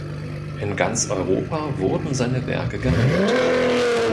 In ganz Europa wurden seine Werke gehandelt.